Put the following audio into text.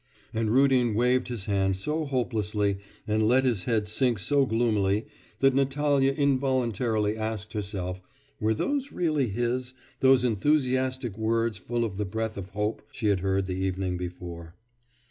And Rudin waved his hand so hopelessly, and let his head sink so gloomily, that Natalya involuntarily asked herself, were those really his those enthusiastic words full of the breath of hope, she had heard the evening before.